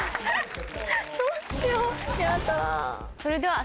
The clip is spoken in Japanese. はい。